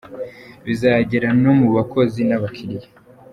bizagera no mu bakozi n’abakiliya.